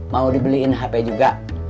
mau dibeliin hp juga